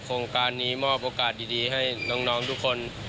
โครงการนี้มอบโอกาสดีให้น้องทุกคน